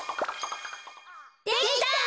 できた！